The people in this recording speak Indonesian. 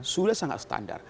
sudah sangat standar